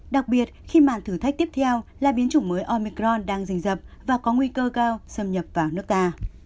đặc biệt khi màn thử thách tiếp theo là biến chủng mới omicron đang dình dập và có nguy cơ cao xâm nhập vào nước ta